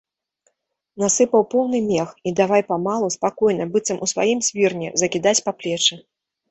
Насыпаў поўны мех і давай памалу, спакойна, быццам у сваім свірне, закідаць па плечы.